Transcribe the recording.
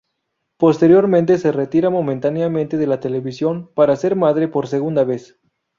Posteriormente se retira momentáneamente de la televisión para ser madre por segunda vez.